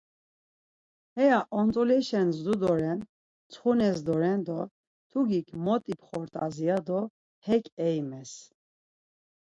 Heya ont̆uleşen zdu doren, tsxunez doren do mtugik mot ipxort̆az ya do hek eymez.